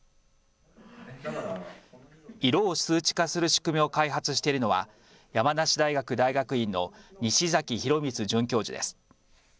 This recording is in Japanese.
色を数値化する仕組みを開発しているのは山梨大学大学院の西崎博光准教授です。